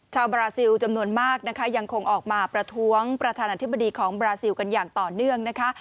บราซิลจำนวนมากนะคะยังคงออกมาประท้วงประธานาธิบดีของบราซิลกันอย่างต่อเนื่องนะคะ